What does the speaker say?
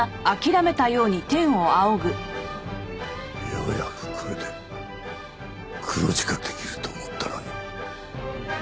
ようやくこれで黒字化できると思ったのに。